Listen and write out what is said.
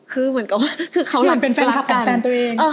คือเหมือนกับว่าเขารักกัน